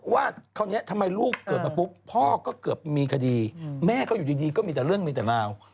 ว่าคราวนี้ทำไมลูกเกิดมาปุ๊บพ่อก็เกือบมีคดีแม่ก็อยู่ดีก็มีแต่เรื่องมีแต่ราว